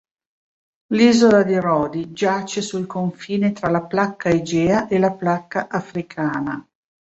L'isola di Rodi giace sul confine tra la Placca egea e la Placca africana.